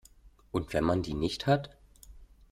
Und wenn man die nicht hat?